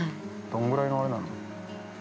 ◆どのぐらいのあれなの？